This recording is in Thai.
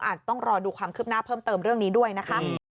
ต้องรอดูความคืบหน้าเพิ่มเติมเรื่องนี้ด้วยนะคะ